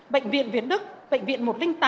bệnh viện việt đức bệnh viện một trăm linh tám